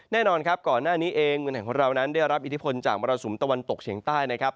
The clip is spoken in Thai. แน่นอนครับก่อนหน้านี้เองเมืองไทยของเรานั้นได้รับอิทธิพลจากมรสุมตะวันตกเฉียงใต้นะครับ